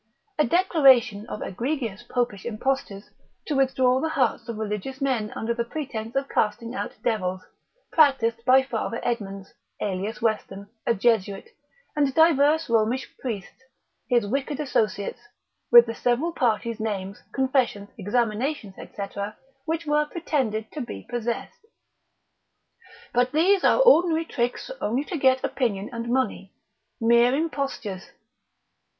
A declaration of egregious popish impostures, to withdraw the hearts of religious men under the pretence of casting out of devils, practised by Father Edmunds, alias Weston, a Jesuit, and divers Romish priests, his wicked associates, with the several parties' names, confessions, examinations, &c. which were pretended to be possessed. But these are ordinary tricks only to get opinion and money, mere impostures.